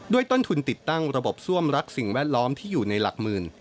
ต้นทุนติดตั้งระบบซ่วมรักสิ่งแวดล้อมที่อยู่ในหลักหมื่น